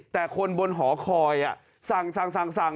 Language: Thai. แต่คนบนหอคอยสั่ง